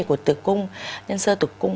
của tử cung nhân sơ tử cung